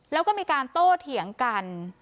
แล้วก็มีการโต้เถียงกัน